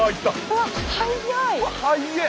わっ速い！